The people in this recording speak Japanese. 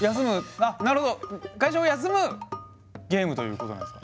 あっなるほど会社を休むゲームということなんですか？